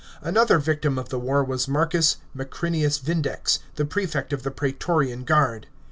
Another victim of the war was Marcus Macrinius Vindex, the prefect of the praetorian guard.